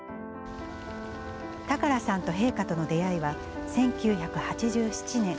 高良さんと陛下との出会いは、１９８７年。